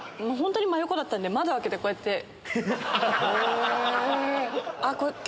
本当に真横だったんで窓開けてこうやって。